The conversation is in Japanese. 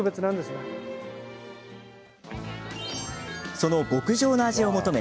その極上の味を求め